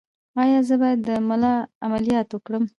ایا زه باید د ملا عملیات وکړم؟